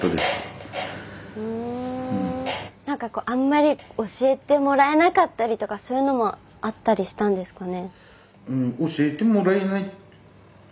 あんまり教えてもらえなかったりとかそういうのもあったりしたんですかね？